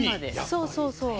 そうそうそう。